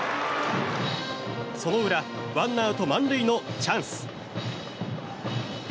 その裏ワンアウト満塁のチャンス。